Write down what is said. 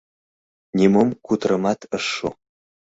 Нимом кутырымат ыш шу.